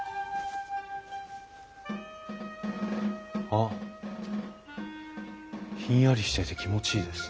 あっひんやりしてて気持ちいいです。